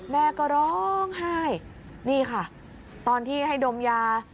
แม่ก็ร้องไห้นี่ค่ะตอนที่ให้ดมยา